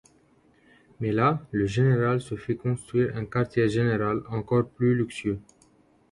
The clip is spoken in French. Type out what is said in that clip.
Mais là, le général se fit construire un quartier général encore plus luxueux.